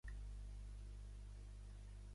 I vostè també es va fer una foto amb la Celeste?